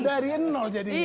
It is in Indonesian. dari nol jadinya